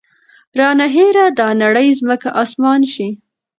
رانه هېره دا نړۍ ځمکه اسمان شي